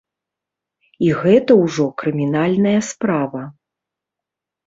І гэта ўжо крымінальная справа.